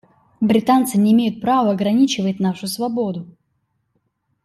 Британцы не имеют права ограничивать нашу свободу.